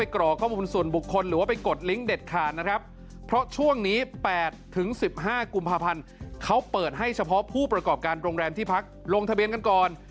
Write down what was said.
เขาเปิดให้เฉพาะผู้ประกอบการโรงแรมที่พักลงทะเบียนกันก่อน